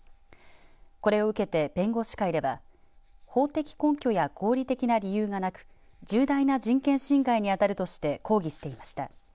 これを受けて弁護士会では法的根拠や合理的な理由がなく重大な人権侵害に当たるとして抗議していました。